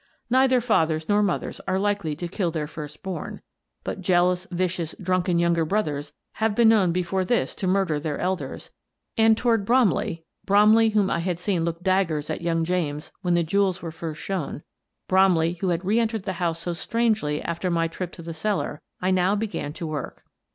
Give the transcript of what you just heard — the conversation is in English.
Neither fathers nor mothers are likely to 226 Miss Frances Baird, Detective kill their first born, but jealous, vicious, drunken younger brothers have been known before this to murder their elders, and toward Bromley — Brom ley whom I had seen look daggers at young James when the jewels were first shown; Bromley who had reentered the house so strangely after my trip to the cellar — I now began to work.